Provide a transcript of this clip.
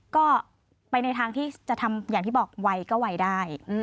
ก็ไปในทางที่จะทำอย่างที่บอกไวก็ไวได้